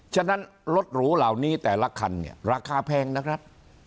ฉะนั้นรถหรูเหล่านี้แต่ละคันเนี่ยราคาแพงนะครับ